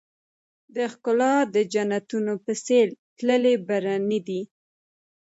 د ښــــــــکلا د جنــــــتونو په ســـــــېل تللـــــــی برنی دی